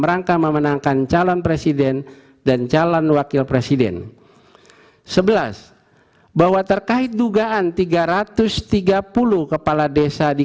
rangka memenangkan calon presiden dan calon wakil presiden sebelas bahwa terkait dugaan tiga ratus tiga puluh kepala desa di